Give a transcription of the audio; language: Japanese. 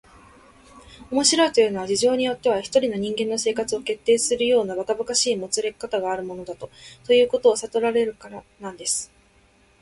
「面白いというのは、事情によっては一人の人間の生活を決定するようなばかばかしいもつれかたがあるものだ、ということをさとらせられるからなんです」